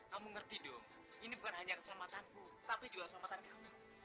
kamu ngerti dong ini bukan hanya keselamatanku tapi juga keselamatan kamu